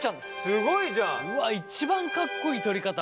すごいじゃん。一番かっこいい取り方。